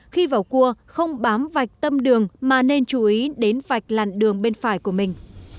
khi vào cua không bám vạch tâm đường mà nên chú ý đến vạch làn đường bên phải của mình